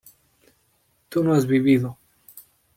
tú no has vivido